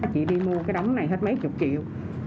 chị đi mua cái đóng này hết mấy chục triệu